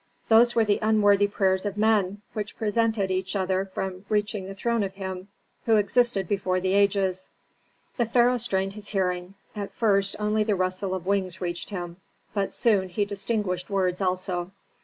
Those were the unworthy prayers of men, which prevented each other from reaching the throne of Him who existed before the ages. The pharaoh strained his hearing. At first only the rustle of wings reached him, but soon he distinguished words also.